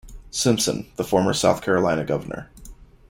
Simpson, the former South Carolina Governor.